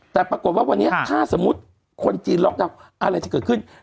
แต่ปรากฏว่าวันนี้ถ้าสมมุติคนจีนล็อกดาวน์อะไรจะเกิดขึ้น